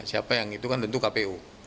siapa yang itu kan tentu kpu